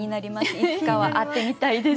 いつかは会ってみたいです。